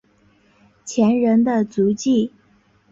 前人的足迹